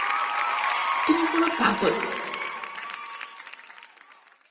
তুমি পুরো পাগল!